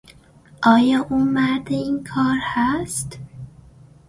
آیا او مرد این کار هست؟